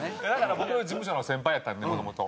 僕事務所の先輩やったんでもともと。